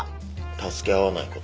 助け合わないこと。